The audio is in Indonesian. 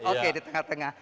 oke di tengah tengah